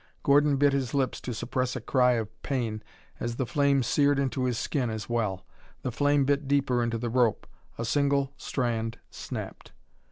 Gordon bit his lips to suppress a cry of pain as the flame seared into his skin as well. The flame bit deeper into the rope. A single strand snapped.